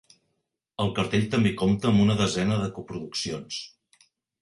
El cartell també compta amb una desena de coproduccions.